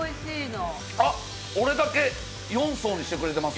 俺だけ４層にしてくれてます？